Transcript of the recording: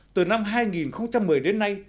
từ năm hai nghìn một mươi đến nay